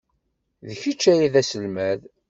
D kečč ay d aselmad.